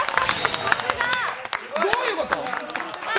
どういうこと？